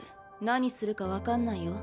何するか分かんないよ。